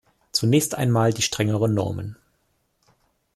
Zunächst einmal die strengeren Normen.